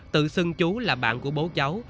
tự xưng chú là bạn của bố cháu